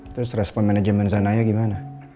terus respon manajemen sananya gimana